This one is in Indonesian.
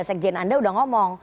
sekjen anda udah ngomong